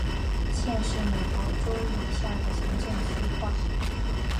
县是美国州以下的行政区划。